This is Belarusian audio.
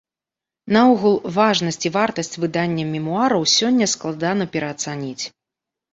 Наогул, важнасць і вартасць выдання мемуараў сёння складана пераацаніць.